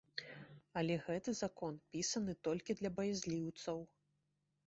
Але гэты закон пісаны толькі для баязліўцаў.